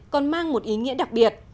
còn mang một ý nghĩa đặc biệt